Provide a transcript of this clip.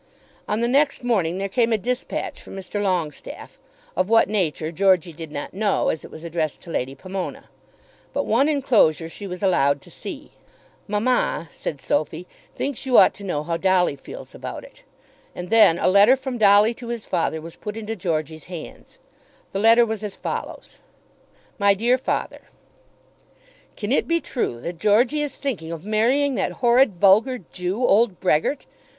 On the next morning there came a dispatch from Mr. Longestaffe, of what nature Georgey did not know as it was addressed to Lady Pomona. But one enclosure she was allowed to see. "Mamma," said Sophy, "thinks you ought to know how Dolly feels about it." And then a letter from Dolly to his father was put into Georgey's hands. The letter was as follows: MY DEAR FATHER, Can it be true that Georgey is thinking of marrying that horrid vulgar Jew, old Brehgert?